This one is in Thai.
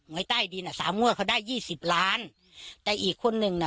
ไว้ใต้ดินอ่ะสามงวดเขาได้ยี่สิบล้านแต่อีกคนหนึ่งน่ะ